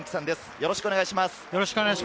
よろしくお願いします。